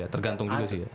tergantung juga sih ya